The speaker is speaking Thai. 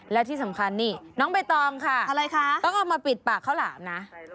และที่สำคัญนี่น้องใบตองค่ะอะไรคะต้องเอามาปิดปากข้าวหลามนะ